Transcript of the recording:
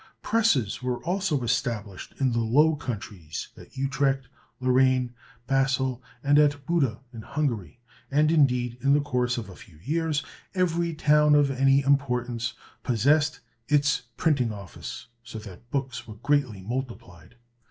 Presses were also established in the Low Countries, at Utrecht, Louraine, Basle, and at Buda in Hungary; and, indeed, in the course of a few years, every town of any importance possessed its printing office, so that books were greatly multiplied.